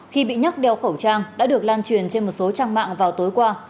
khi bị nhắc đeo khẩu trang đã được lan truyền trên một số trang mạng vào tối qua